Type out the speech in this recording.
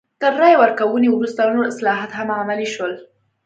تر رایې ورکونې وروسته نور اصلاحات هم عملي شول.